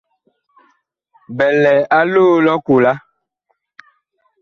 Bi lɛ a loo lʼ ɔkola.